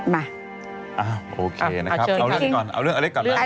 มาโอเคนะครับเอาเรื่องอเล็กส์ก่อนนะ